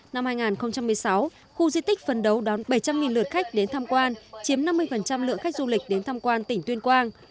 năm hai nghìn một mươi sáu khu di tích phấn đấu đón bảy trăm linh lượt khách đến tham quan chiếm năm mươi lượng khách du lịch đến tham quan tỉnh tuyên quang